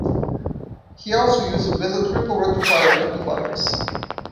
He also uses Mesa Triple Rectifier amplifiers.